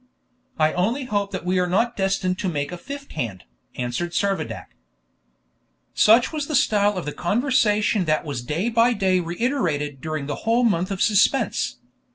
"I only hope that we are not destined to make a fifth hand," answered Servadac. Such was the style of the conversation that was day by day reiterated during the whole month of suspense.